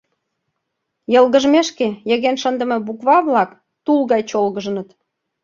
Йылгыжмешке йыген шындыме буква-влак тул гай чолгыжыныт